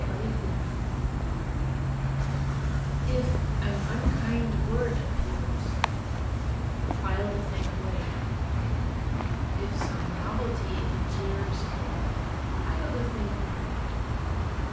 ON FILE IF an unkind word appears, File the thing away. If some novelty in jeers, File the thing away.